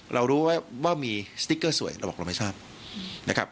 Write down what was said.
เรารู้ว่ามีสติกเกอร์สวยเราบอกว่าเราไม่ทราบ